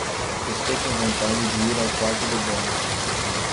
Estou com vontade de ir ao quarto-de-banho.